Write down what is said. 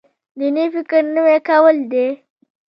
دیني فکر نوی کول دی.